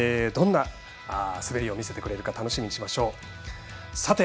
どんな滑りを見せてくれるか楽しみにしましょう。